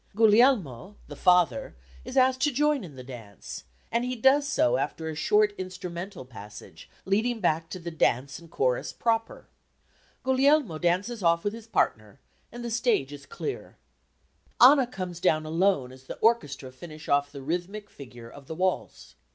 Guglielmo, the father, is asked to join in the dance, and he does so after a short instrumental passage leading back to the dance and chorus proper. Guglielmo dances off with his partner and the stage is clear. Anna comes down alone as the orchestra finish off the rhythmic figure of the waltz.